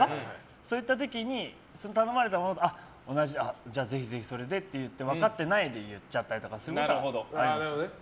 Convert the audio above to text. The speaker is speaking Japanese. そういった時に頼まれたものをじゃあ、ぜひそれでって分かってないで言っちゃったりすることはあるんですよ。